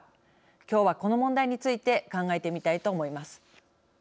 きょうはこの問題について考えてみたいと思います。